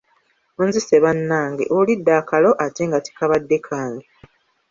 Onzise bannange, olidde akalo ate nga tekabadde kange.